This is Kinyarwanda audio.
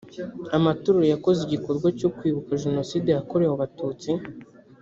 amatorero yakoze igikorwa cyo kwibuka jenoside yakorewe abatutsi